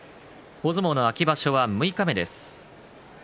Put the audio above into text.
大相撲の秋場所は六日目です。